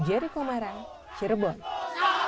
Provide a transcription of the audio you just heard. untuk melakukan audiensi